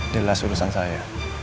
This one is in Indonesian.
jelas urusan saya